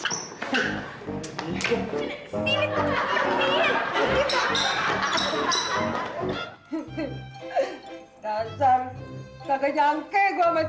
katanya kau kan seorang kapogas